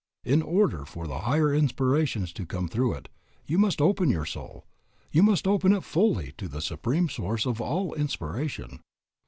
In order for the higher inspirations to come through it, you must open your soul, you must open it fully to the Supreme Source of all inspiration.